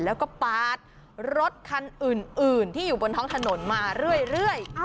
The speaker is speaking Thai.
แล้วก็ปาดรถคันอื่นที่อยู่บนท้องถนนมาเรื่อย